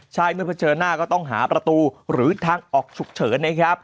ใช่เมื่อเผชิญหน้าก็ต้องหาประตูหรือทางออกฉุกเฉินนะครับ